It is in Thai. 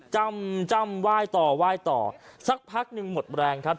จ้ำจ้ำไหว้ต่อไหว้ต่อสักพักหนึ่งหมดแรงครับ